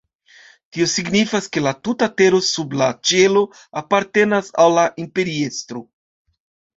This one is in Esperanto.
Tio signifas, ke la tuta tero sub la ĉielo apartenas al la imperiestro.